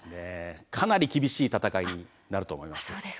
かなり厳しい戦いになると思います。